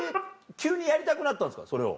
急にやりたくなったんですかそれを。